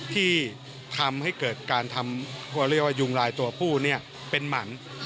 ที่ทำให้เกิดการทำเขาเรียกว่ายุงลายตัวผู้เป็นหมัน